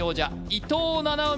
伊藤七海！